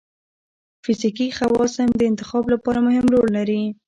فزیکي خواص هم د انتخاب لپاره مهم رول لري.